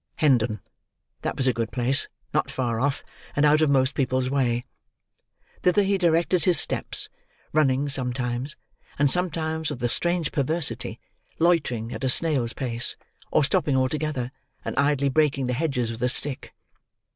Hendon. That was a good place, not far off, and out of most people's way. Thither he directed his steps,—running sometimes, and sometimes, with a strange perversity, loitering at a snail's pace, or stopping altogether and idly breaking the hedges with a stick.